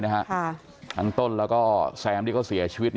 ทั้งต้นแล้วก็แซมที่เขาเสียชีวิต